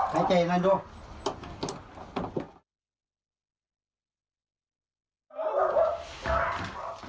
ในใจนั่นดู